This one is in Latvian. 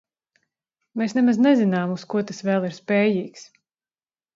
Mēs nemaz nezinām, uz ko tas vēl ir spējīgs.